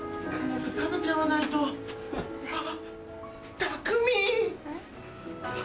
食べちゃわないと。タクミ！